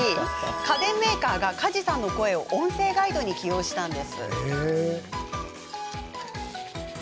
家電メーカーが梶さんの声を音声ガイドに起用したんです。